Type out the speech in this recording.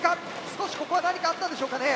少しここは何かあったんでしょうかね？